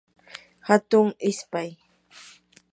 hatun ispay